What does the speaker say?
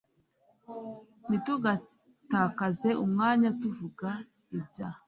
Ntitugatakaze umwanya tuvuga ibya